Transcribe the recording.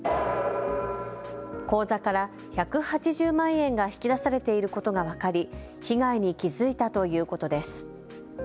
口座から１８０万円が引き出されていることが分かり被害に気付いたということです。